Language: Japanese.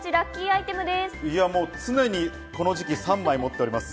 常にこの時期は３枚持っております。